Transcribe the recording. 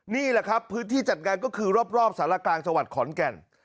นี่แหละครับพื้นที่จัดงานก็คือรอบสารกลางจังหวัดขอนแก่น